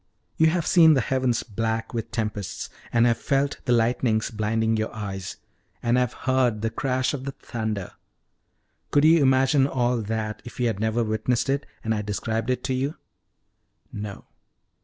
"You have seen the heavens black with tempests, and have felt the lightnings blinding your eyes, and have heard the crash of the thunder: could you imagine all that if you had never witnessed it, and I described it to you?" "No."